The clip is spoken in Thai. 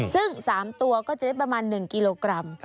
ซึ่ง๓ตัวก็จะได้ประมาณ๑กิโลกรัม